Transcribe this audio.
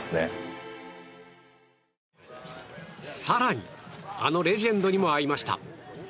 更に、あのレジェンドにも会いました。